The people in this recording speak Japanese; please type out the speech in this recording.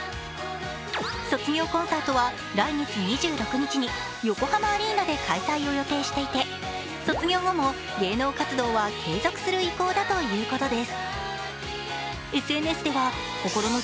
卒業コンサートは来月２６日に横浜アリーナで開催を予定していて卒業後も芸能活動は継続する意向だということです。